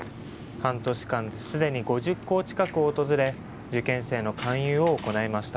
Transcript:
半年間、すでに５０校近くを訪れ、受験生の勧誘を行いました。